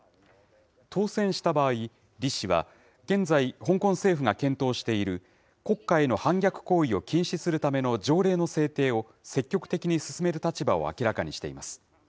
当選した場合、李氏は、現在、香港政府が検討している国家への反逆行為を禁止するための条例の制定を、積極的に進める立場を明らかにしています。